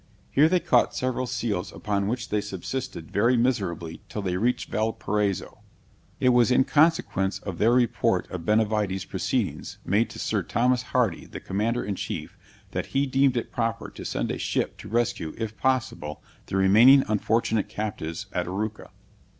Here they caught several seals upon which they subsisted very miserably till they reached Valparaiso. It was in consequence of their report of Benavides proceedings made to Sir Thomas Hardy, the commander in chief, that he deemed it proper to send a ship to rescue if possible, the remaining unfortunate captives at Arauca.